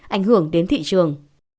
ảnh hưởng đến thị trường